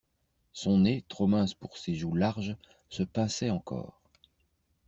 Son nez, trop mince pour ses joues larges, se pinçait encore.